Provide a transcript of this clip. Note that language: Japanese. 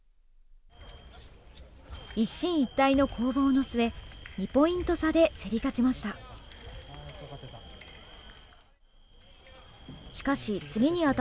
一進一退の攻防の末、２ポイント差で競り勝ちました。